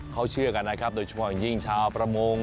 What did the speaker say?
เขาเชื่อกันนะครับโดยเฉพาะอย่างยิ่งชาวประมง